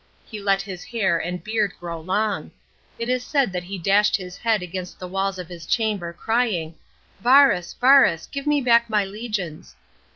He let his hair and beard grow long. It is said that he dashed his head against the walls of his chamber, crying, " Varus, Varus, give me back my legions